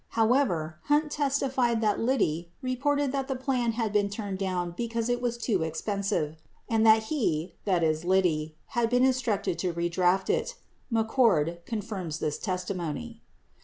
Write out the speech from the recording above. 55 However, Hunt testified that Liddy reported that the plan had been turned down because it was too expensive and that he (Liddy) had been instructed to redraft it. 56 McCord confirms this testimony.